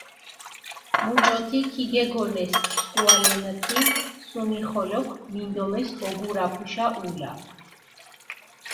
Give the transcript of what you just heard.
მუჭოთი ქიგეგონეს სქუალენქჷნი, სუმიხოლოქ მინდომეს ოგურაფუშა ულა.